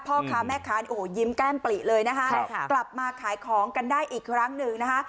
พ่อค้าแม่ค้าโอ้โหยิ้มแก้มปลิเลยนะคะกลับมาขายของกันได้อีกครั้งหนึ่งนะคะ